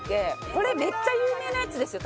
これめっちゃ有名なやつですよ